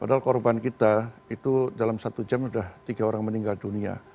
padahal korban kita itu dalam satu jam sudah tiga orang meninggal dunia